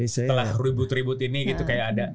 setelah ribut ribut ini gitu kayak ada